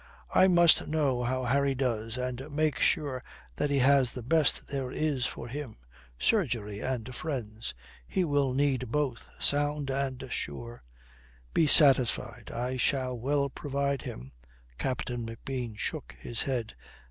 "I must know how Harry does and make sure that he has the best there is for him. Surgery and friends he will need both, sound and sure." "Be satisfied. I shall well provide him." Captain McBean shook his head.